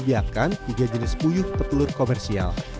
menyediakan tiga jenis puyuh petelur komersial